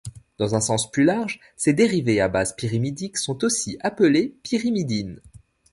Dans un sens plus large, ses dérivés à bases pyrimidiques sont aussi appelés pyrimidines.